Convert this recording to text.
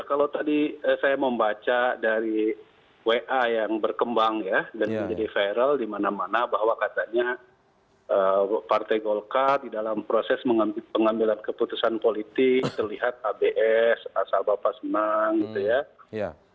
kalau tadi saya membaca dari wa yang berkembang ya dan menjadi viral di mana mana bahwa katanya partai golkar di dalam proses pengambilan keputusan politik terlihat abs asal bapak senang gitu ya